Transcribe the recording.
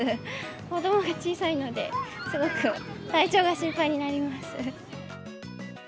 子どもが小さいので、すごく体調が心配になります。